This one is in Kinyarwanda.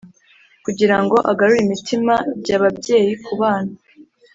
kugira ngo agarure imitima j y ababyeyi ku bana